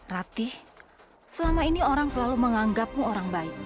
ratih selama ini orang selalu menganggapmu orang baik